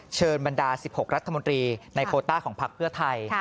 เชิญบรรดา๑๖รัฐมนตรีในโคต้าของพักเพื่อไทย